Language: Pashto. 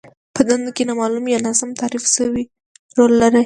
په دنده کې نامالوم يا ناسم تعريف شوی رول لرل.